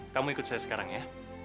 kamu ikut saya sekarang ya